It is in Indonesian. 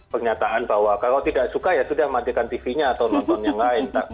pernyataan bahwa kalau tidak suka ya sudah matikan tv nya atau nonton yang lain